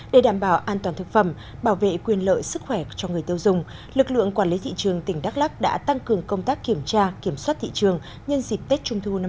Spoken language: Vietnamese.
để đảm bảo an toàn thực phẩm bảo vệ quyền lợi sức khỏe cho người tiêu dùng lực lượng quản lý thị trường tỉnh đắk lắc đã tăng cường công tác kiểm tra kiểm soát thị trường nhân dịp tết trung thu năm hai nghìn hai mươi